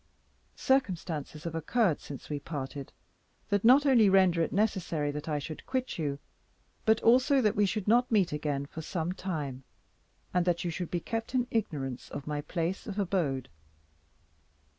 Circumstances have occurred since we parted, that not only render it necessary that I should quit you, but also that we should not meet again for some time; and that you should be kept in ignorance of my place of abode.